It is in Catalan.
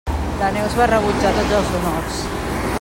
La Neus va rebutjar tots els honors.